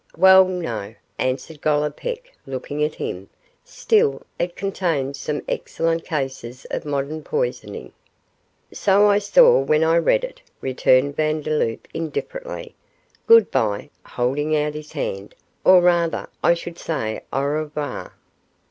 'Well, no,' answered Gollipeck, looking at him; 'still, it contains some excellent cases of modern poisoning.' 'So I saw when I read it,' returned Vandeloup, indifferently. 'Good bye,' holding out his hand, 'or rather I should say au revoir.